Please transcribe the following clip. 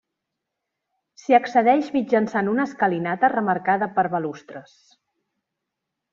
S'hi accedeix mitjançant una escalinata remarcada per balustres.